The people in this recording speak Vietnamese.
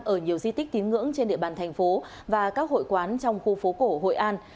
ở nhiều di tích tín ngưỡng trên địa bàn thành phố và các hội quán trong khu phố cổ hội an